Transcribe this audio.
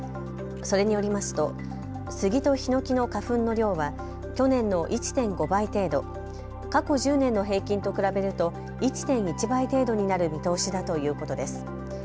それによりますとスギとヒノキの花粉の量は去年の１．５倍程度、過去１０年の平均と比べると１．１倍程度になる見通しだということです。